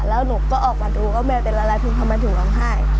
แล้วหนูก็ออกมาดูว่าแมวเป็นอะไรถึงทำไมถึงร้องไห้